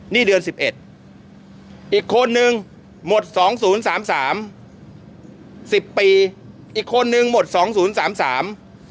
นี่เดือนสิบเอ็ดอีกคนนึงหมดสองศูนย์สามสามสิบปีอีกคนนึงหมดสองศูนย์สามสาม